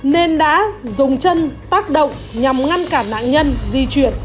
nên đã dùng chân tác động nhằm ngăn cản nạn nhân di chuyển